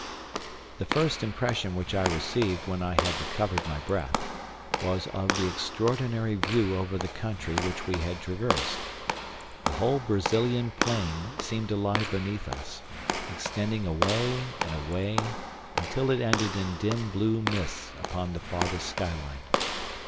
The first impression which I received when I had recovered my breath was of the extraordinary view over the country which we had traversed. The whole Brazilian plain seemed to lie beneath us, extending away and away until it ended in dim blue mists upon the farthest sky line.